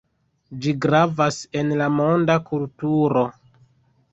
Ĝi gravas en la monda kulturo.